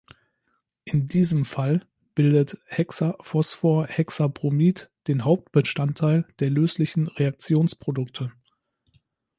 In diesem Fall bildet Hexaphosphorhexabromid den Hauptbestandteil der löslichen Reaktionsprodukte.